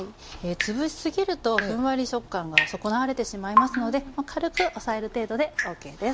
潰し過ぎるとふんわり食感が損なわれてしまいますので軽く押さえる程度でＯＫです。